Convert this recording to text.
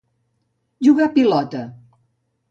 Jugar a pilota.